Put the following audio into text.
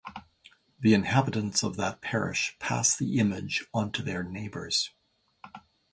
The inhabitants of that parish pass the image onto their neighbors.